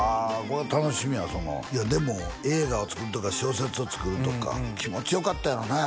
これは楽しみやいやでも映画を作るとか小説を作るとか気持ちよかったやろうね